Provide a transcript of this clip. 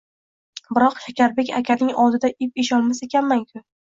Biroq, Shakarbek akaning oldida ip esholmas ekanman-ku